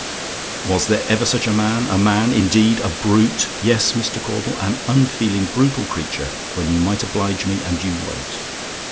"Was there ever such a man? A man, indeed! A brute! yes, Mr. Caudle, an unfeeling, brutal creature, when you might oblige me, and you won't.